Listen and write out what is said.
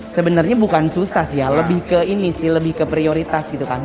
sebenarnya bukan susah sih ya lebih ke ini sih lebih ke prioritas gitu kan